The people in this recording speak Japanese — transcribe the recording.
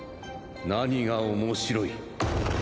何が面白い？